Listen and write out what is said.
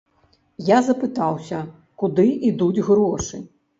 Я запытаўся, куды ідуць грошы.